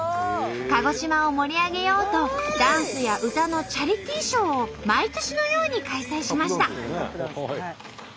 鹿児島を盛り上げようとダンスや歌のチャリティーショーを毎年のように開催しました。